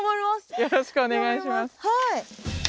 よろしくお願いします。